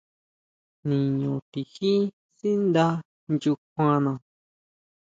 Niño tijí sínda nyukjuana.